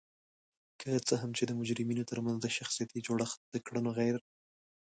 که څه هم چې د مجرمینو ترمنځ د شخصیتي جوړخت د کړنو غیر